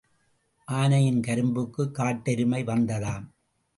ஆனையின் கரும்புக்குக் காட்டெருமை வந்ததாம்.